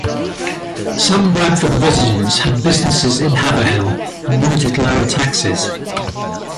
Some Bradford residents had businesses in Haverhill and wanted lower taxes.